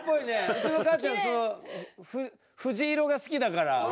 うちの母ちゃん藤色が好きだから。